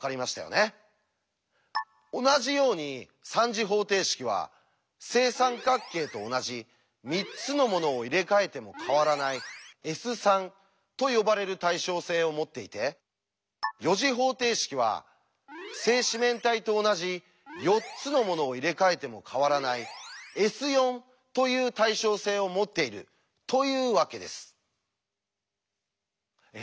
同じように３次方程式は正三角形と同じ３つのものを入れ替えても変わらない「Ｓ」と呼ばれる対称性を持っていて４次方程式は正四面体と同じ４つのものを入れ替えても変わらない「Ｓ」という対称性を持っているというわけです。え？